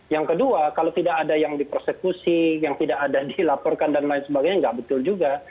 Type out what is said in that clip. yang kedua kalau tidak ada yang dipersekusi yang tidak ada dilaporkan dan lain sebagainya tidak betul juga